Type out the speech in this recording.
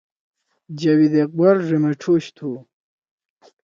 جاوید اقبال ڙیمیٹھوش تُھو۔